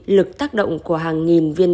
lực tác động của hàng nghìn viên